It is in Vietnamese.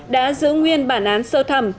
đã giữ nguyên bản án sơ thẩm